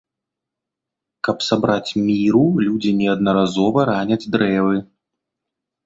Каб сабраць міру людзі неаднаразова раняць дрэвы.